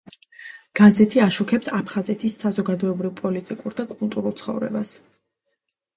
გაზეთი აშუქებს აფხაზეთის საზოგადოებრივ-პოლიტიკურ და კულტურულ ცხოვრებას.